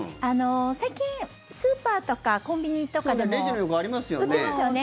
最近、スーパーとかコンビニとかでも。売ってますよね。